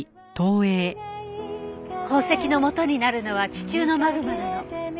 宝石のもとになるのは地中のマグマなの。